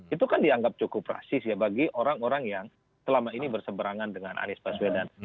itu kan dianggap cukup rasis ya bagi orang orang yang selama ini berseberangan dengan anies baswedan